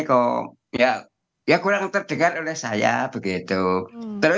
kok kurang terdengar oleh saya begitu